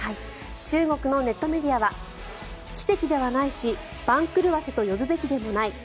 中国のネットメディアは奇跡ではないし番狂わせと呼ぶべきでもない